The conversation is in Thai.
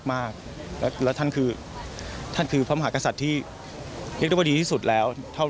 และท่านคือพระมหากษัตริย์ที่เรียกได้ว่าดีที่สุดแล้ว